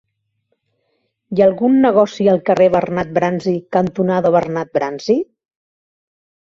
Hi ha algun negoci al carrer Bernat Bransi cantonada Bernat Bransi?